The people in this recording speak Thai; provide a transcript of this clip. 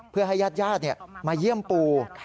เพื่อให้ญาติมาเยี่ยมปู